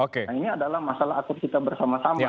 nah ini adalah masalah akut kita bersama sama